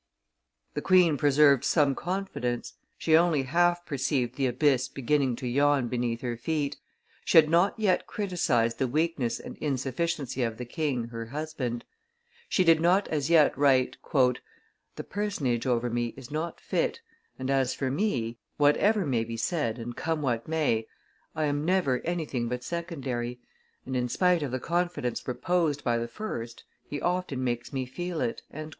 The queen preserved some confidence: she only half perceived the abyss beginning to yawn beneath her feet, she had not yet criticised the weakness and insufficiency of the king her husband; she did not as yet write: "The personage over me is not fit, and as for me, whatever may be said and come what may, I am never anything but secondary, and, in spite of the confidence reposed by the first, he often makes me feel it."